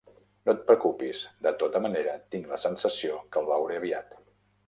No et preocupis. De tota manera, tinc la sensació que el veuré aviat.